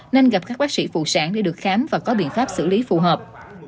nên gặp các bác sĩ phụ sản để được khám và có biện pháp xử lý phù hợp